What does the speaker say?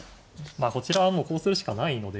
こちらはもうこうするしかないので。